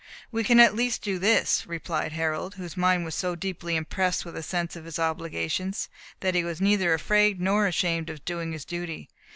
"We can at least do this," replied Harold, whose mind was so deeply impressed with a sense of his obligations, that he was neither afraid nor ashamed of doing his duty.